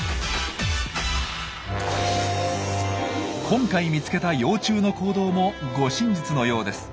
今回見つけた幼虫の行動も護身術のようです。